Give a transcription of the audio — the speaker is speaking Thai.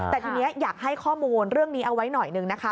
แต่ทีนี้อยากให้ข้อมูลเรื่องนี้เอาไว้หน่อยนึงนะคะ